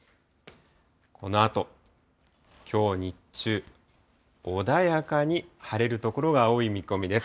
このあと、きょう日中、穏やかに晴れる所が多い見込みです。